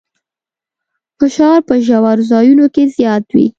فشار په ژورو ځایونو کې زیات وي.